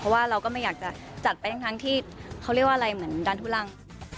เพราะว่าเราก็ไม่อยากจะจัดไปทั้งที่เขาเรียกว่าอะไรเหมือนดันทุลัง